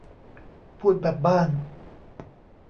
พูดแบบบ้าน